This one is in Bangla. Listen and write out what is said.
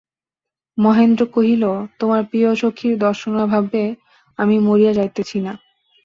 মহেন্দ্র কহিল, তোমার প্রিয়সখীর দর্শনাভাবে আমি মরিয়া যাইতেছি না।